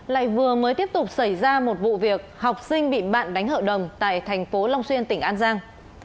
lại vừa mới tiếp tục xảy ra một vụ việc học sinh bị bạn đánh hợp đồng tại thành phố long xuyên tỉnh an giang